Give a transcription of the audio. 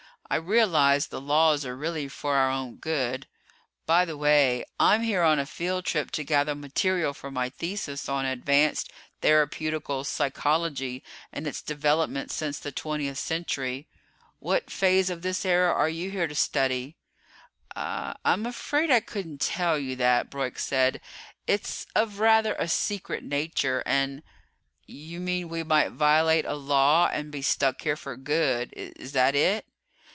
"I realize the Laws are really for our own good. By the way I'm here on a field trip to gather material for my thesis on Advanced Therapeutical Psychology and its development since the Twentieth Century. What phase of this era are you here to study?" "I I'm afraid I couldn't tell you that," Broyk said. "It's of rather a secret nature and ..." "You mean we might violate a Law and be stuck here for good is that it?"